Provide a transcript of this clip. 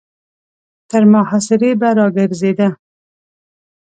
تر محاصرې به را ګرځېده.